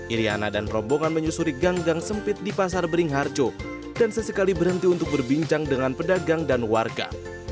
iryana dan rombongan menyusuri gang gang sempit di pasar beringharjo dan sesekali berhenti untuk berbincang dengan pedagang dan warga